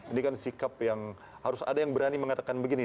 ini kan sikap yang harus ada yang berani mengatakan begini